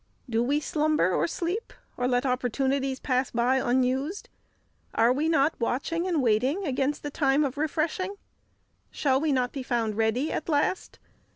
Do we slumber or sleep, and let opportunities pass by unused? Are we not watching and waiting against the times of refreshing? Shall we not be found ready at last?